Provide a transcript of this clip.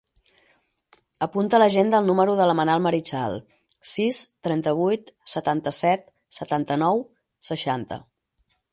Apunta a l'agenda el número de la Manal Marichal: sis, trenta-vuit, setanta-set, setanta-nou, seixanta.